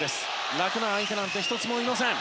楽な相手なんて１つもいません。